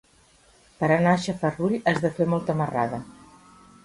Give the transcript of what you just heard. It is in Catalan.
Per anar a Xarafull has de fer molta marrada.